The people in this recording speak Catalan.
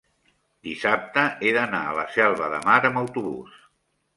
dissabte he d'anar a la Selva de Mar amb autobús.